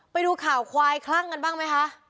ไปดูข่าวควายคลั่งกันบ้างไหมคะ